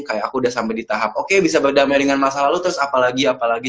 kayak aku udah sampai di tahap oke bisa berdamai dengan masa lalu terus apalagi apa lagi